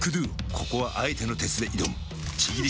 ここはあえての鉄で挑むちぎり